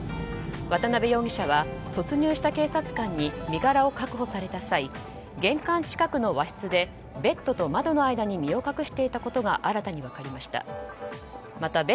渡辺容疑者は突入した警察官に身柄を確保された際玄関近くの和室でベッドと窓の間に身を隠していたことが新たに分かりました。